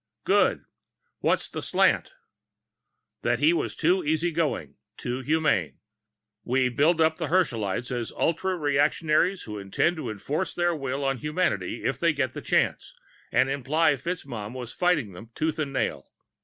"Good. What's the slant?" "That he was too easygoing, too humane. We build up the Herschelites as ultrareactionaries who intend to enforce their will on humanity if they get the chance, and imply FitzMaugham was fighting them tooth and nail.